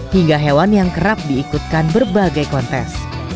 hingga hewan yang kerap diikutkan berbagai kontes